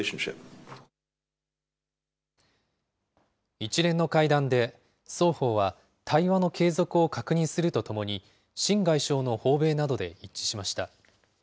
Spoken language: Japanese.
一連の会談で、双方は対話の継続を確認するとともに、秦外相の訪米などで一致しました。